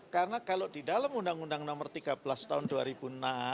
karena kalau di dalam undang undang nomor tiga belas tahun dua ribu enam